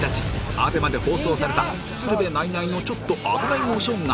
ＡＢＥＭＡ で放送された『鶴瓶＆ナイナイのちょっとあぶないお正月』